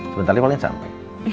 sebentar dia paling sampe